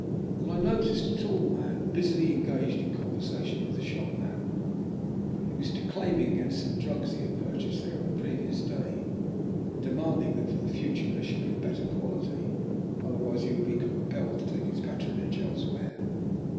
Then I noticed a tall man busily engaged in conversation with the shopman. He was declaiming against some drugs he had purchased there on the previous day, and demanding that for the future they should be of better quality, otherwise he would be compelled to take his patronage elsewhere.